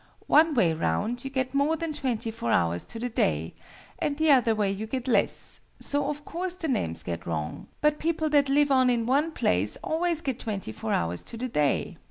One way round, you get more than twenty four hours to the day, and the other way you get less: so of course the names get wrong: but people that live on in one place always get twenty four hours to the day."